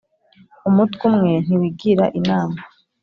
Umutwe umwe ntiwigira inama.